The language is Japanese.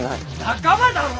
仲間だろ！